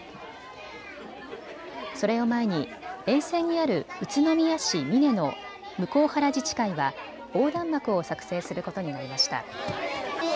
それを前に沿線にある宇都宮市峰の向原自治会は横断幕を作成することになりました。